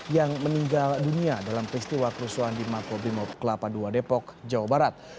yang meninggal dunia dalam peristiwa kerusuhan di makobrimob kelapa ii depok jawa barat